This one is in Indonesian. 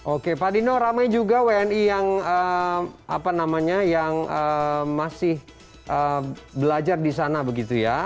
oke pak dino ramai juga wni yang masih belajar di sana begitu ya